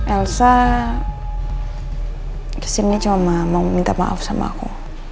elsa kesini cuma mau minta maaf sama aku